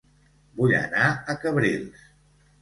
Vull anar a Cabrils